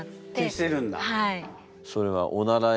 はい。